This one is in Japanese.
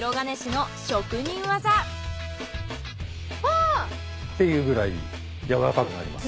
わぁ！っていうくらいやわらかくなります。